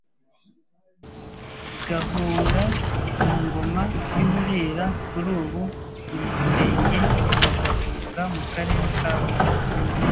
Gahunga mu Ngoma y’u Burera kuri ubu ni mu Murenge wa Gahunga mu Karere ka Burera